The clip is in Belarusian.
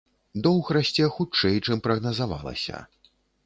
Доўг расце хутчэй, чым прагназавалася.